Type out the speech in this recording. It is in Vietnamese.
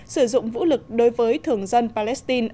sử dụng vũ lực đối với thường dân palestine